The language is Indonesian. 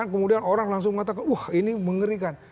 kemudian orang langsung mengatakan wah ini mengerikan